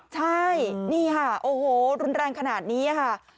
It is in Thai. ใช่นี่ค่ะโอ้โหรุนแรงขนาดนี้ค่ะ